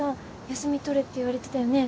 休み取れって言われてたよね